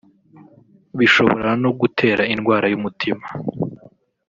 bishobora no gutera indwara y’umutima